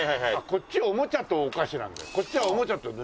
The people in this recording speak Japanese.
「こっちがおもちゃとお菓子なんだよ」